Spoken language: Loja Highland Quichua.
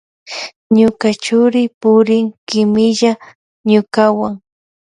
Ñuka churi purin kimilla ñukawan.